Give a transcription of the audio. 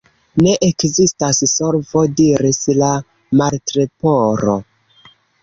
"Ne ekzistas solvo," diris la Martleporo.